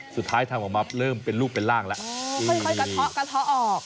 ทำออกมาเริ่มเป็นลูกเป็นร่างแล้วค่อยกระเทาะกระเทาะออก